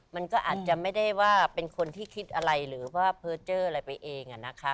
มันก็อาจจะไม่ได้ว่าเป็นคนที่คิดอะไรหรือว่าเพอร์เจอร์อะไรไปเองนะคะ